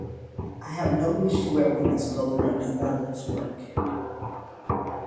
I have no wish to wear women's clothing or do woman's work.